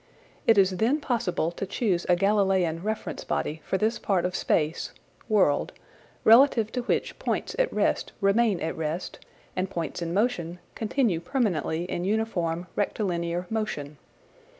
It is then possible to choose a Galileian reference body for this part of space (world), relative to which points at rest remain at rest and points in motion continue permanently in uniform rectilinear motion.